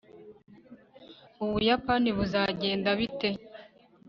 ubuyapani buzagenda bite